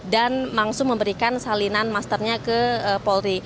dan langsung memberikan salinan masternya ke polri